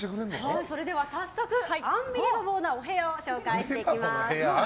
それでは早速アンビリバボーなお部屋を紹介していきます。